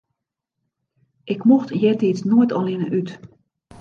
Ik mocht eartiids noait allinne út.